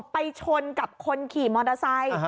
ไปชนกับคนขี่มอเตอร์ไซค์